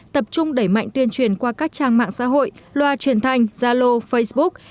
tập trung đẩy mạnh tuyên truyền qua các trang mạng xã hội loa truyền thanh gia lô facebook